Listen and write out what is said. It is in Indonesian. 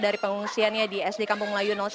dari pengungsiannya di sd kampung melayu satu